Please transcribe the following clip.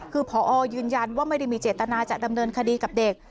คือพอยืนยันว่าไม่ได้มีเจตนาจะดำเนินคดีกับเด็ก